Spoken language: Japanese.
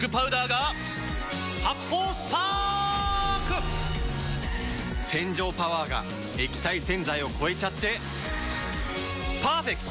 発泡スパーク‼洗浄パワーが液体洗剤を超えちゃってパーフェクト！